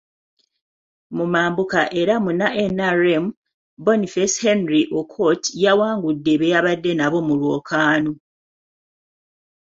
Mu mambuka era Munna NRM, Boniface Henry Okot yawangudde be yabadde nabo mu lwokaano.